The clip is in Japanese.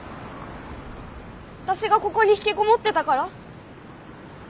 私がここにひきこもってたから？